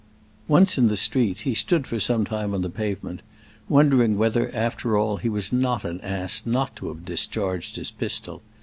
Once in the street, he stood for some time on the pavement, wondering whether, after all, he was not an ass not to have discharged his pistol.